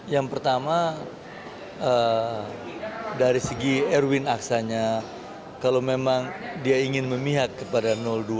yang pertama dari segi erwin aksanya kalau memang dia ingin memihak kepada dua